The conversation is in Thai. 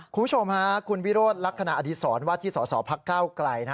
คุณวิโรธลักษณะอดีตสอนวัดที่สสพักเก้าไกล